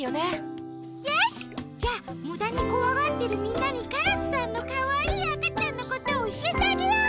よし！じゃむだにこわがってるみんなにカラスさんのかわいいあかちゃんのことおしえてあげよう！